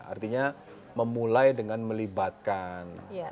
artinya memulai dengan melibatkan